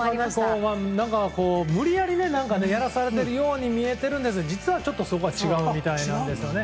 無理やりやらされているように見えてるんですが実はちょっと違うみたいなんですよね。